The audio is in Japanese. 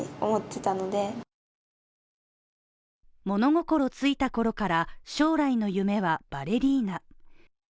物心ついたころから、将来の夢はバレリーナ。